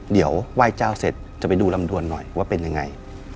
เดี๋ยวไหว้เจ้าเสร็จจะไปดูลำดวนหน่อยว่าเป็นยังไง